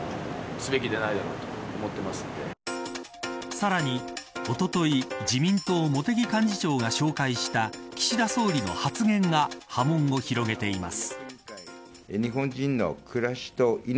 さらにおととい自民党、茂木幹事長が紹介した岸田総理の発言が波紋を広げています。